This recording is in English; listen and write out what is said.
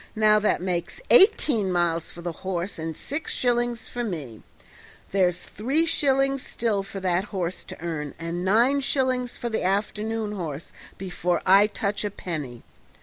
Now that makes eighteen miles for the horse and six shillings for me; there's three shillings still for that horse to earn and nine shillings for the afternoon horse before I touch a penny.